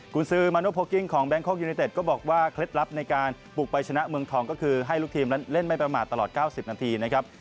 คุณซื้อมาโนโพลกิ้งของแบงคอกยูเนเต็ดก็บอกว่าเคล็ดลับในการบุกไปชนะเมืองทองก็คือให้ลูกทีมนั้นเล่นไม่ประมาทตลอด๙๐นาทีนะครับ